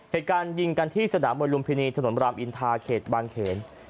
เหตุการณ์ยิงกันที่สนามบนลุมพินีถนนรามอินทาเขตบางเขน